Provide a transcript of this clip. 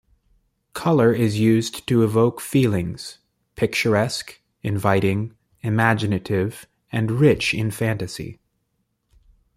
Color is used to evoke feelings: picturesque, inviting, imaginative, and rich in fantasy.